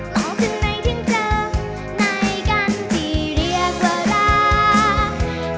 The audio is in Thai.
ออกข้างในถึงเจอในกันที่เรียกว่ารัก